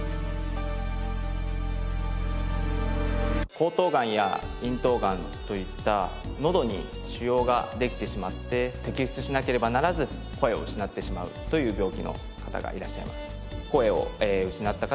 喉頭がんや咽頭がんといったのどに腫瘍ができてしまって摘出しなければならず声を失ってしまうという病気の方がいらっしゃいます。